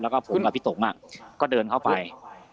แล้วก็ผมกับพี่ตกก็เดินเข้าไป